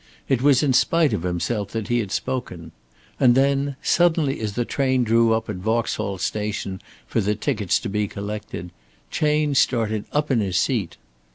It was in spite of himself that he had spoken. And then suddenly as the train drew up at Vauxhall Station for the tickets to be collected, Chayne started up in his seat.